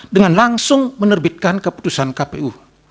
dengan langsung menerbitkan keputusan kpu